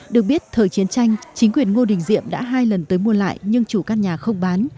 được biết thời chiến tranh chính quyền ngô đình diệm đã hai lần tới mua lại nhưng chủ căn nhà không bán